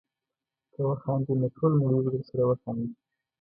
که وخاندې نو ټوله نړۍ به درسره وخاندي.